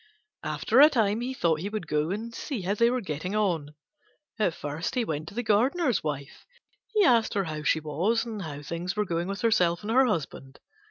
After a time he thought he would go and see how they were getting on; and first he went to the gardener's wife. He asked her how she was, and how things were going with herself and her husband.